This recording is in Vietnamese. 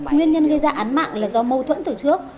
nguyên nhân gây ra án mạng là do mâu thuẫn từ trước